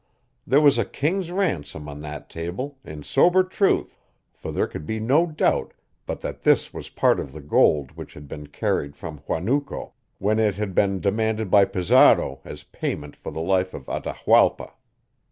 There was a king's ransom on that table, in sober truth, for there could be no doubt but that this was part of the gold which had been carried from Huanuco when it had been demanded by Pizarro as payment for the life of Atahualpa.